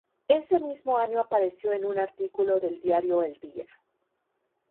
Ese mismo año apareció en un artículo del diario El Día.